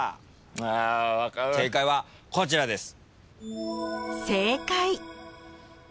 正解はこちらです。